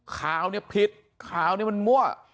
ข่าวเนี่ยผิดข่าวเนี่ยมันมั่ว